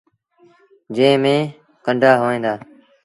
جݩهݩ ميݩ ڪنڊآ هوئين دآ۔